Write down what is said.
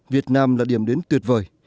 việt nam là điểm đến tuyệt vời